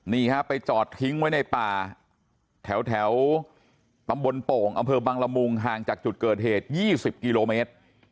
นี่ฮะไปจอดทิ้งไว้ในป่าแถวตำบลโป่งอำเภอบังละมุงห่างจากจุดเกิดเหตุ๒๐กิโลเมตร